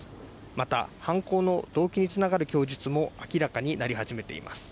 また犯行の動機につながる供述も明らかになり始めています